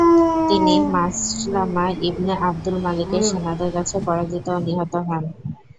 তিনি Maslama ibn Abdul মালিকের সেনাদের কাছে পরাজিত ও নিহত হন।